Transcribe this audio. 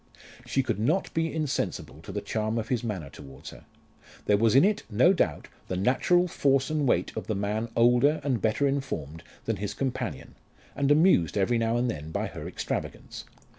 She could not be insensible to the charm of his manner towards her. There was in it, no doubt, the natural force and weight of the man older and better informed than his companion, and amused every now and then by her extravagance.